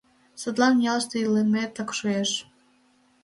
Садлан ялыште илыметак шуэш.